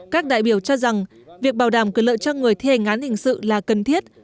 các đại biểu cho rằng việc bảo đảm quyền lợi cho người thi hành án hình sự là cần thiết